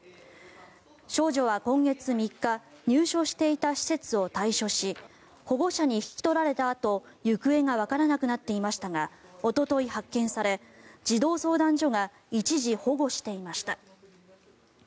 少女は今月３日入所していた施設を退所し保護者に引き取られたあと行方がわからなくなっていましたがおととい発見され児童相談所が一時保護していました。